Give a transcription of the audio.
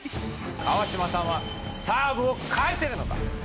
川島さんはサーブを返せるのか？